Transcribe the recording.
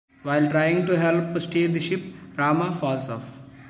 While trying to help steer the ship, Rhama falls off.